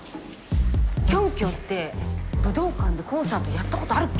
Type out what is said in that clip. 「キョンキョンって武道館でコンサートやったことあるっけ？」